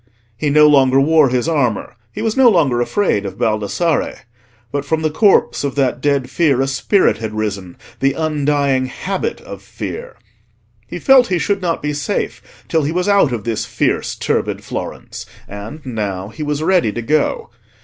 He no longer wore his armour, he was no longer afraid of Baldassarre; but from the corpse of that dead fear a spirit had risen—the undying habit of fear. He felt he should not be safe till he was out of this fierce, turbid Florence; and now he was ready to go.